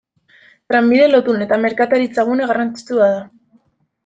Trenbide lotune eta merkataritza-gune garrantzitsua da.